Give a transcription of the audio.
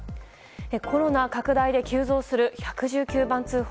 コロナ拡大で急増する１１９番通報。